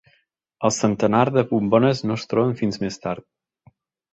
El centenar de bombones no es troben fins més tard.